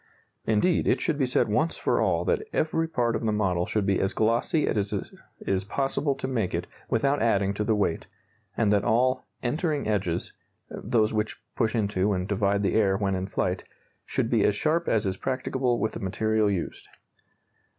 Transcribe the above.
Indeed, it should be said once for all that every part of the model should be as glossy as it is possible to make it without adding to the weight, and that all "entering edges" (those which push into and divide the air when in flight) should be as sharp as is practicable with the material used.